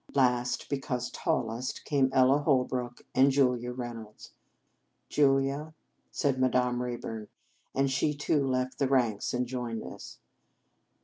Last, because tall est, came Ella Holrook and Julia Reynolds. " Julia," said Madame Ray burn, and she, too, left the ranks and joined us.